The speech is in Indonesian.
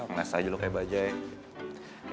ngesa juga lu kayak bajaj